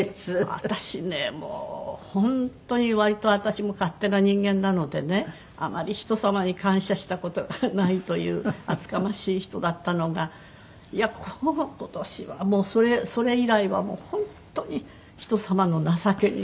私ねもう本当に割と私も勝手な人間なのでねあまり人様に感謝した事がないという厚かましい人だったのが今年はもうそれ以来は本当に人様の情けに感謝してもう。